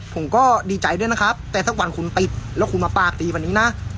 ผมก็ดีใจด้วยนะครับแต่สักวันคุณติดแล้วคุณมาปากตีวันนี้นะ